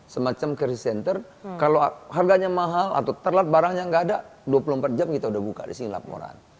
semacam krisis center kalau harganya mahal atau terlat barangnya gak ada dua puluh empat jam kita udah buka disini laporan